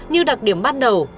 như đặc điểm ban đầu